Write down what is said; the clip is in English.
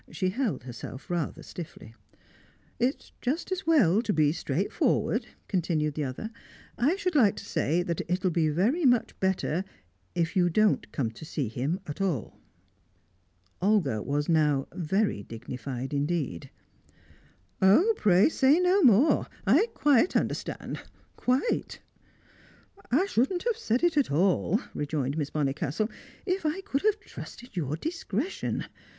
She held herself rather stiffly. "It's just as well to be straightforward," continued the other. "I should like to say that it'll be very much better if you don't come to see him at all." Olga was now very dignified indeed. "Oh, pray say no more I quite understand quite!" "I shouldn't have said it at all," rejoined Miss Bonnicastle, "if I could have trusted your discretion.